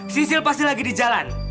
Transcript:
sisil pasti lagi di jalan